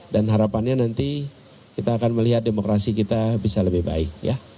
dan harapannya nanti kita akan melihat demokrasi kita bisa lebih baik